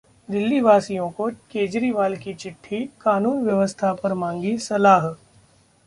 दिल्लीवासियों को केजरीवाल की चिट्टी, कानून व्यवस्था पर मांगी सलाह